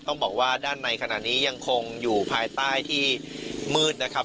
ต้องบอกว่าด้านในขณะนี้ยังคงอยู่ภายใต้ที่มืดนะครับ